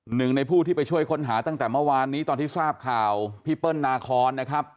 หนึ่งในผู้ที่ไปช่วยค้นหาตั้งแต่เมื่อวานนี้ตอนที่ทราบข่าวพี่เปิ้ลนาคอนนะครับ